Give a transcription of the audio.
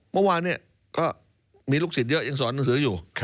เมื่อวานก็มีลูกศิษย์เยอะยังสอนหนังสืออยู่